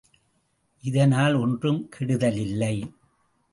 இதனால் ஒன்றும் கெடுதலில்லை.